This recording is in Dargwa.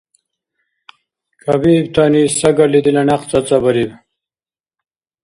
Кабиибтани сагали дила някъ цӀацӀабариб.